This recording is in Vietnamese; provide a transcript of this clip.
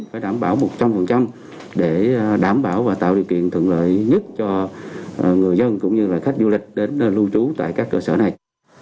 phải đảm bảo một trăm linh để đảm bảo và tạo điều kiện thuận lợi nhất cho người dân cũng như là khách du lịch đến lưu trú tại các cơ sở này